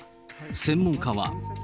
専門家は。